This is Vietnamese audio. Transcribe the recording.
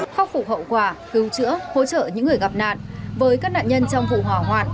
khắc phục hậu quả cứu chữa hỗ trợ những người gặp nạn với các nạn nhân trong vụ hỏa hoạn